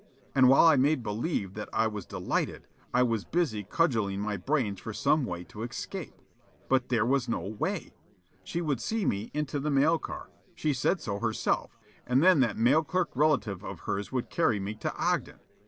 And while I made believe that I was delighted, I was busy cudgelling my brains for some way to escape. But there was no way. She would see me into the mail car she said so herself and then that mail clerk relative of hers would carry me to Ogden.